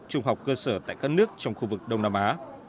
trung học cơ sở tại các nước trong khu vực đông nam á